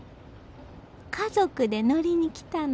家族で乗りに来たの。